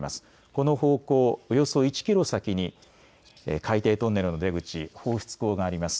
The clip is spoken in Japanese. この方向、およそ１キロ先に海底トンネルの出口放出口があります。